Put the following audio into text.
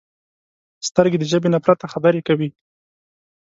سترګې د ژبې نه پرته خبرې کوي